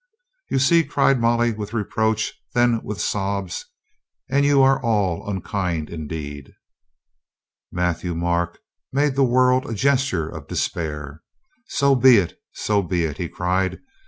"You see!" cried Molly with reproach; then with sobs, "And you are all unkind indeed!" Matthieu Marc made the world a gesture of de spair. "So be it! So be it!" he cried.